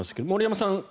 森山さん